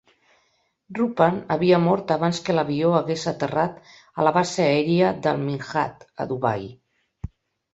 Rupan havia mort abans que l'avió hagués aterrat a la base aèria d'Al Minhad, a Dubai.